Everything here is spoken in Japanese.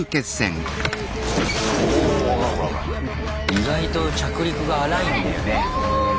意外と着陸が荒いんだよね。